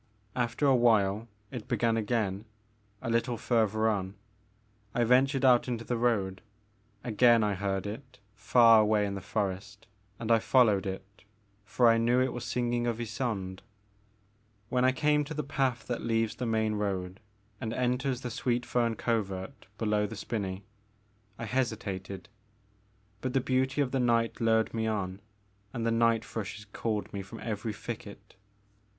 After a while it began again, a little further on. I ven tured out into the road. Again I heard it far away in the forest and I followed it, for I knew it was singing of Ysonde. When I came to the path that leaves the main road and enters the Sweet Pern Covert below the spinney, I hesitated ; but the beauty of the night lured me on and the night thrushes called me from every thicket.